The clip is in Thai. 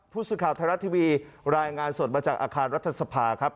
ผู้สื่อข่าวไทยรัฐทีวีรายงานสดมาจากอาคารรัฐสภาครับ